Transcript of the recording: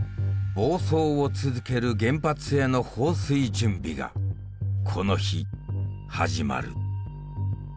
暴走を続ける原発への放水準備がこの日始まる。